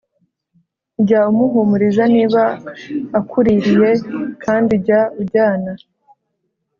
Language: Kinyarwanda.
jya umuhumuriza niba akuririye, kandi jya ujyana